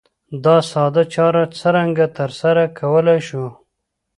دا ساده چاره څرنګه ترسره کولای شو؟